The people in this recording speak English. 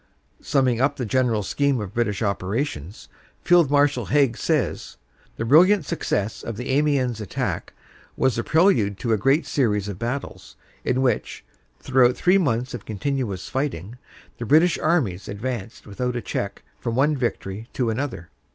Summing up the general scheme of British operations, Field Marshal Haig says : "The brilliant success of the Amiens attack was the prelude to a great series of battles, in which, throughout three months of continuous righting, the British armies advanced without a check from one victory to another."